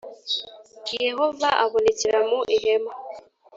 Yehova abonekera mu ihema